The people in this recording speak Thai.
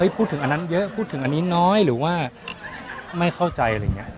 พูดถึงอันนั้นเยอะพูดถึงอันนี้น้อยหรือว่าไม่เข้าใจอะไรอย่างนี้